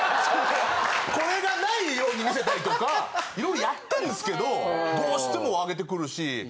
これがないように見せたりとか色々やってんですけどどうしても上げてくるし。